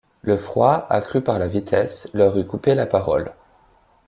Le froid, accru par la vitesse, leur eût coupé la parole.